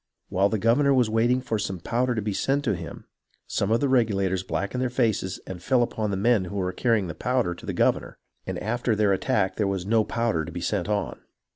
While the governor was waiting for some powder to be sent him, some of the Reg ulators blackened their faces and fell upon the men who were carrying the powder to the governor, and after their attack there tvas no poivder to be sent on.